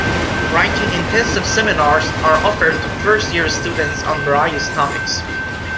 Writing-intensive seminars are offered to first-year students on various topics.